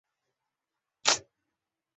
殿试登进士第三甲第四十名。